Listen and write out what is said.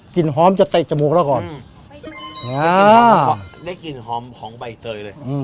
หอมจะเตะจมูกเราก่อนได้กลิ่นหอมของใบเตยเลย